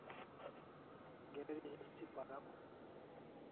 Geri histi paraw